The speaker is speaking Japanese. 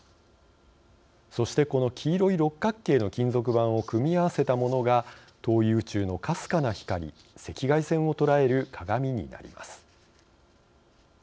そしてこの黄色い六角形の金属板を組み合わせたものが遠い宇宙のかすかな光赤外線を捉える鏡になります。